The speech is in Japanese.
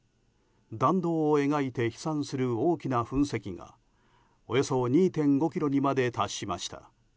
弾道を描いて飛散する大きな噴石がおよそ２．５ｋｍにまで達しました。